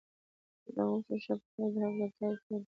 د غوښې ښه پخول د حفظ الصحې اصول دي.